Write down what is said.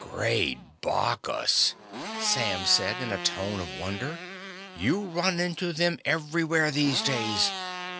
"Great Bacchus," Sam said in a tone of wonder. "You run into them everywhere these days.